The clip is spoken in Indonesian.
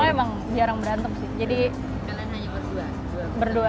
jadi kalian hanya berdua